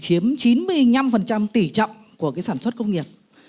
cái lĩnh vực này thì chiếm chín mươi năm tỷ trọng của sản xuất công nghiệp